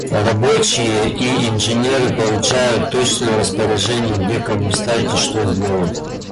Рабочие и инженеры получают точное распоряжение, где кому встать и что сделать.